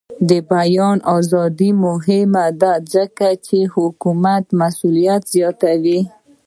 د بیان ازادي مهمه ده ځکه چې د حکومت مسؤلیت زیاتوي.